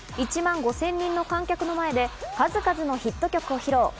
１万５０００人の観客の前で数々のヒット曲を披露。